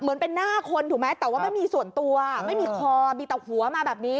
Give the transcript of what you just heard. เหมือนเป็นหน้าคนถูกไหมแต่ว่าไม่มีส่วนตัวไม่มีคอมีแต่หัวมาแบบนี้